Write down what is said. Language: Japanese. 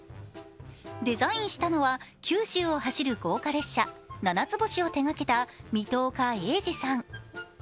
デザインしたのは九州を走る豪華列車・ななつ星を手がけた水戸岡鋭治さん。